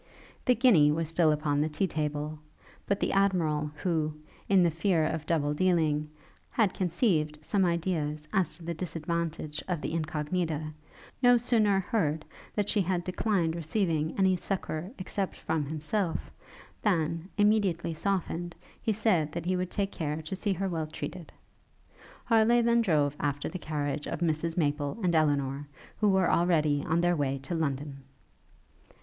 The guinea was still upon the tea table; but the Admiral, who, in the fear of double dealing, had conceived some ideas to the disadvantage of the Incognita, no sooner heard that she had declined receiving any succour except from himself, than, immediately softened, he said that he would take care to see her well treated. Harleigh then drove after the carriage of Mrs Maple and Elinor, who were already on their way to London.